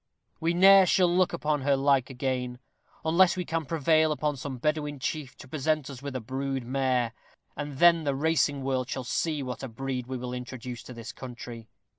We ne'er shall look upon her like again, unless we can prevail upon some Bedouin chief to present us with a brood mare, and then the racing world shall see what a breed we will introduce into this country.